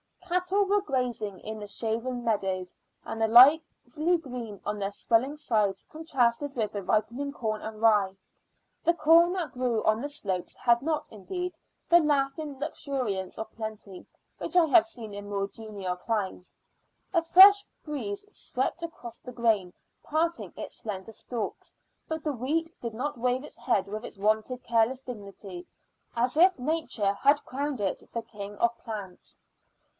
Cattle were grazing in the shaven meadows; and the lively green on their swelling sides contrasted with the ripening corn and rye. The corn that grew on the slopes had not, indeed, the laughing luxuriance of plenty, which I have seen in more genial climes. A fresh breeze swept across the grain, parting its slender stalks, but the wheat did not wave its head with its wonted careless dignity, as if nature had crowned it the king of plants.